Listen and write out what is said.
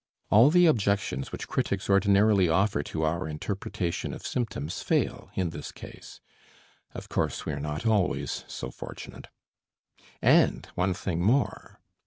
All the objections which critics ordinarily offer to our interpretation of symptoms fail in this case. Of course, we are not always so fortunate. And one thing more!